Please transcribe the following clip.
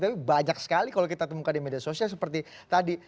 tapi banyak sekali kalau kita temukan di media sosial seperti tadi